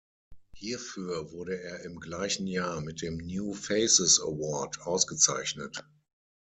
Hierfür wurde er im gleichen Jahr mit dem New Faces Award ausgezeichnet.